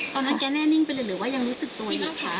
ตอนนั้นแกแน่นิ่งไปเลยหรือว่ายังรู้สึกตัวอยู่คะ